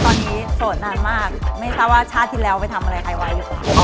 ตอนนี้โสดนานมากไม่ทราบว่าชาติที่แล้วไปทำอะไรใครไว้อยู่